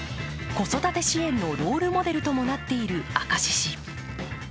子育て支援のロールモデルともなっている明石市。